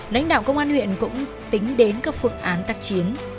lãnh đạo công an huyện cũng tính đến các phương án tác chiến